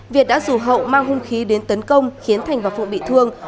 việt đã rủ hậu mang hung khí đến tấn công khiến thành và phụ bị thương